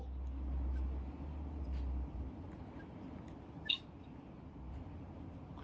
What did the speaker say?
แล้ววันนั้นหนูร้องไห้ทำไมลูก